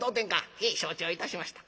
「へえ承知をいたしました」。